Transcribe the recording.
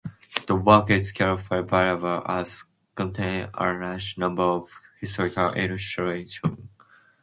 The work is chiefly valuable as containing a large number of historical illustrations.